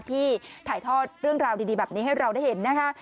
ที่ถ่ายทอดเรื่องราวดีแบบนี้ให้เราได้เห็นนะคะ